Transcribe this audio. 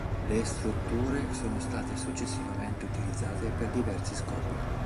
Le strutture sono state successivamente utilizzate per diversi scopi.